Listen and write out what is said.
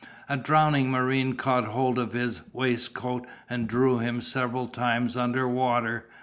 A drowning marine caught hold of his waistcoat, and drew him several times under water.